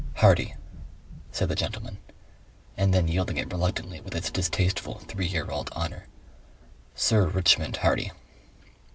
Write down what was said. "Hardy," said the gentleman, and then yielding it reluctantly with its distasteful three year old honour, "Sir Richmond Hardy."